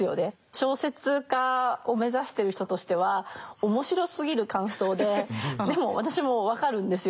小説家を目指してる人としては面白すぎる感想ででも私も分かるんですよ。